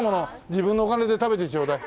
自分のお金で食べてちょうだい。